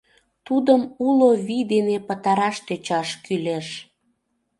Тудым уло вий дене пытараш тӧчаш кӱлеш.